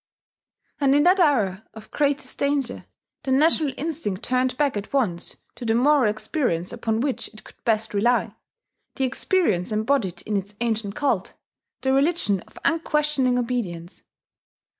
And in that hour of greatest danger the national instinct turned back at once to the moral experience upon which it could best rely, the experience embodied in its ancient cult, the religion of unquestioning obedience.